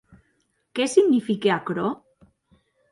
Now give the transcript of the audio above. Qué signifique aquerò?